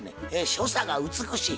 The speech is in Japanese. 所作が美しい。